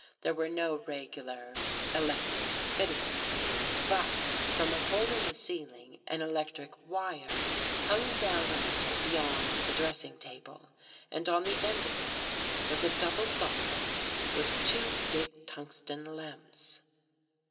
There were no regular electric fittings, but from a hole in the ceil ing, an electric wire hung down a little beyond the dressing table, and on the end of it, was a double socket with two big Tungsten lamps.